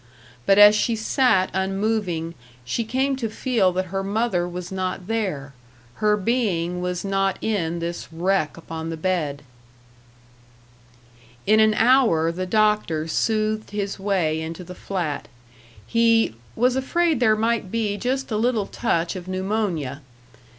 But as she sat unmoving she came to feel that her mother was not there; her being was not in this wreck upon the bed. In an hour the doctor soothed his way into the flat. He "was afraid there might be just a little touch of pneumonia."